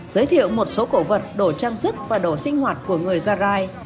giới thiệu một số cổ vật đồ trang sức và đồ sinh hoạt của người gia rai